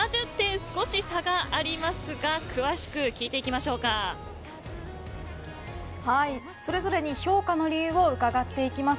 少し差がありますが詳しく聞いていきましそれぞれに評価の理由を伺っていきます。